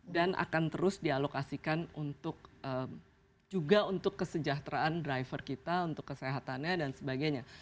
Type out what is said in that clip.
dan akan terus dialokasikan untuk juga untuk kesejahteraan driver kita untuk kesehatannya dan sebagainya